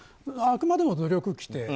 あくまでも努力規定。